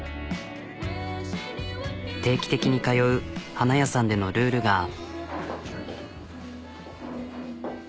定期的に通う花屋さんでのルールが。